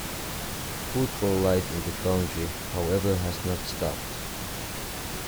Football life in the country however has not stopped.